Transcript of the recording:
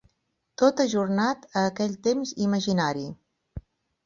Tot ajornat a aquell temps imaginari!